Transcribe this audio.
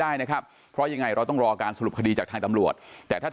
ได้นะครับเพราะยังไงเราต้องรอการสรุปคดีจากทางตำรวจแต่ถ้า